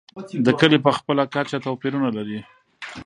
دا کلي په خپله کچه توپیرونه لري.